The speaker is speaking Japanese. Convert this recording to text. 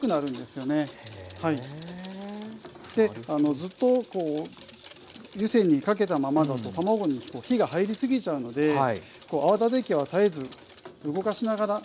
ずっとこう湯煎にかけたままだと卵に火が入り過ぎちゃうので泡立て器は絶えず動かしながら。